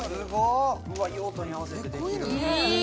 うわ用途に合わせてできるいい！